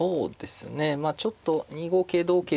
まあちょっと２五桂同桂